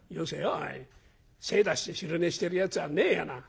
精出して昼寝してるやつはねえやな」。